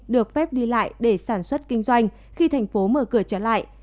được phép đi lại để sản xuất kinh doanh khi thành phố mở cửa trở lại